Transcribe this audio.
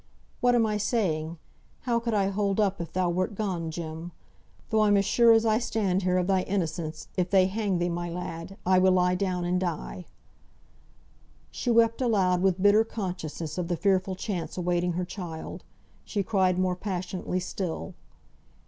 "What am I saying? How could I hold up if thou wert gone, Jem? Though I'm as sure as I stand here of thy innocence, if they hang thee, my lad, I will lie down and die!" She sobbed aloud with bitter consciousness of the fearful chance awaiting her child. She cried more passionately still.